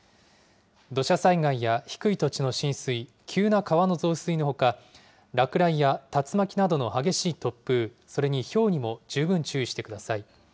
土砂災害や低い土地の浸水、急な川の増水のほか、落雷や竜巻などの激しい突風、それにひょうにも十分注意してください。